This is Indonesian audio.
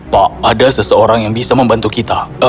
pak ada seseorang yang bisa membantu kita